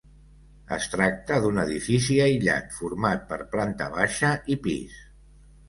Es tracta d'un edifici aïllat format per planta baixa i pis.